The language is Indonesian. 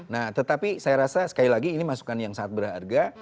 nah tetapi saya rasa sekali lagi ini masukan yang sangat berharga